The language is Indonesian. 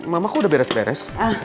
mamaku udah beres beres